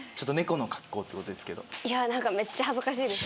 いや何かめっちゃ恥ずかしいです。